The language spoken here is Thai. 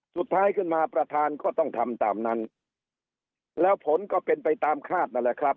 สุดท้ายขึ้นมาประธานก็ต้องทำตามนั้นแล้วผลก็เป็นไปตามคาดนั่นแหละครับ